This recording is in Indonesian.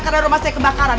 karena rumah saya kebakaran